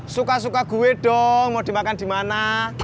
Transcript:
suka suka gue dong mau dimakan dimana